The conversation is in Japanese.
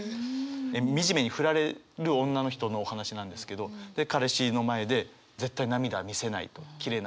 惨めに振られる女の人のお話なんですけど彼氏の前で絶対涙は見せないときれいな私でいたいっていう。